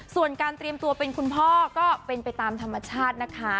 ส่วนการเตรียมตัวเป็นคุณพ่อก็เป็นไปตามธรรมชาตินะคะ